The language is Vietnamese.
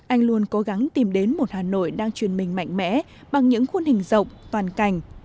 anh luôn cố gắng tìm đến một hà nội đang truyền mình mạnh mẽ bằng những khuôn hình rộng toàn cảnh